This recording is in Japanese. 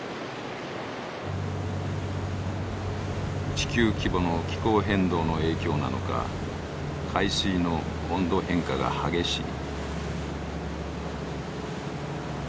地球規模の気候変動の影響なのか海水の温度変化が激しい。